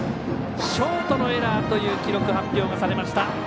ショートのエラーという記録発表がされました。